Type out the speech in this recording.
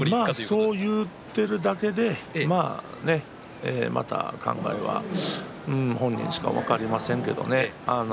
そう言っているだけでまた考えは本人にしか分かりませんけどね。